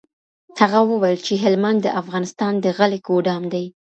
هغه وویل چي هلمند د افغانستان د غلې ګودام دی.